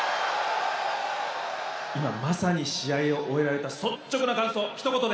今まさに試合を終えられた率直な感想ひと言でお願いします！